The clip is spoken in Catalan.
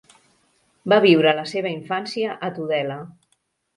Va viure la seva infància a Tudela.